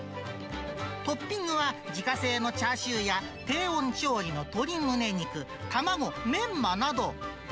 トッピングは、自家製のチャーシューや低温調理の鶏むね肉、卵、メンマなど。